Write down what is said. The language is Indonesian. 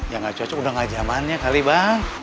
yang nggak cocok udah nggak jamannya kali bang